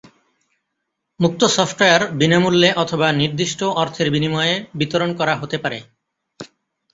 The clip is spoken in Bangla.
মুক্ত সফটওয়্যার বিনামূল্যে অথবা নির্দিষ্ট অর্থের বিনিময়ে বিতরণ করা হতে পারে।